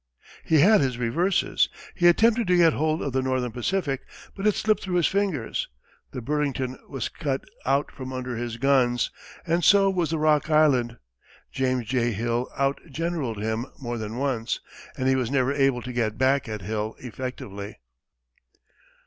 He had his reverses he attempted to get hold of the Northern Pacific, but it slipped through his fingers; the Burlington was cut out from under his guns, and so was the Rock Island. James J. Hill outgeneraled him more than once, and he was never able to "get back" at Hill effectively.